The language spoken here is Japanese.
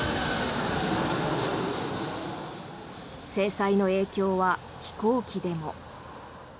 制裁の影響は飛行機でも。